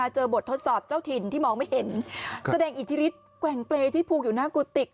บททดสอบเจ้าถิ่นที่มองไม่เห็นแสดงอิทธิฤทธิแกว่งเปรย์ที่ผูกอยู่หน้ากุฏิ